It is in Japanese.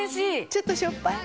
ちょっとしょっぱい？